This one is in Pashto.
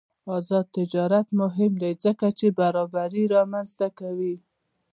آزاد تجارت مهم دی ځکه چې برابري رامنځته کوي.